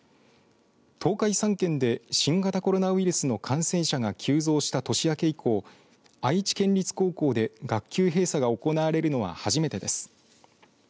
東海３県で新型コロナウイルスの感染者が急増した年明け以降愛知県立高校で学級閉鎖が行われるのは初めてです。